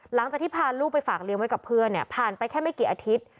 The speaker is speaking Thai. หลังจากที่พาลูกไปฝากเลี้ยงไว้กับเพื่อนเนี่ยผ่านไปแค่ไม่กี่อาทิตย์